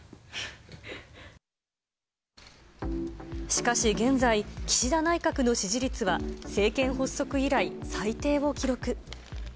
しかし、現在、岸田内閣の支持率は、政権発足以来、最低を記録。